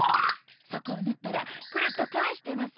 そこを縫ったらクルッと返して結んで。